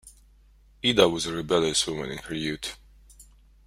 Edda was a rebellious woman in her youth.